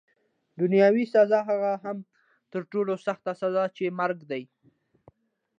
دنیاوي سزا، هغه هم تر ټولو سخته سزا چي مرګ دی.